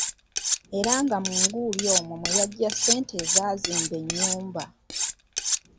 Era nga mu nguuli omwo mwe yajja ssente ezaazimba ennyumba.